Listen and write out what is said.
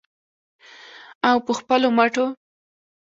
او په خپلو مټو.